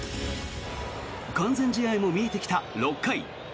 完全試合も見えてきた６回。